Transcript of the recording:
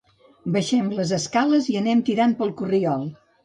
Baixem les escales i anem tirant pel corriol